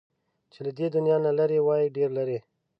چې له دې دنيا نه لرې وای، ډېر لرې